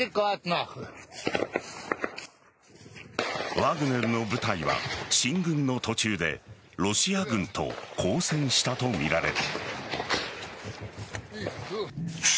ワグネルの部隊は進軍の途中でロシア軍と交戦したとみられる。